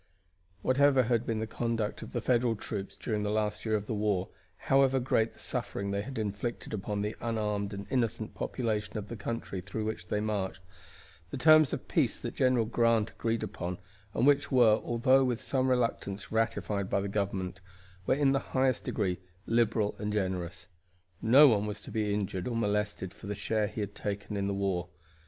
Whatever had been the conduct of the Federal troops during the last year of the war, however great the suffering they had inflicted upon the unarmed and innocent population of the country through which they marched, the terms of peace that General Grant agreed upon, and which were, although with some reluctance, ratified by the government, were in the highest degree liberal and generous. No one was to be injured or molested for the share he had taken in the war.